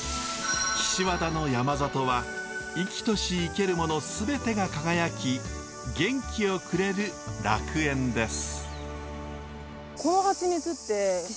岸和田の山里は生きとし生けるもの全てが輝き元気をくれる楽園です。